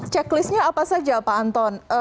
checklistnya apa saja pak anton